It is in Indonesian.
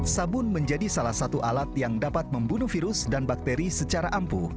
sabun menjadi salah satu alat yang dapat membunuh virus dan bakteri secara ampuh